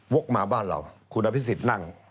โว๊กมาบ้านเราคุณอภิษฑิตนั่ง